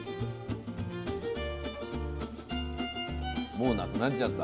もうなくなっちゃった。